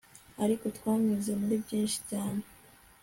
ariko twanyuze muri byinshi cyane